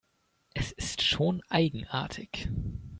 Es ist schon eigenartig.